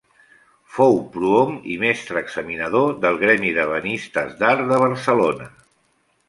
Fou prohom i mestre examinador del Gremi d'Ebenistes d'Art de Barcelona.